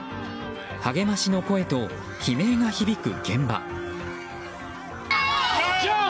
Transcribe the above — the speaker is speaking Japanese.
励ましの声と悲鳴が響く現場。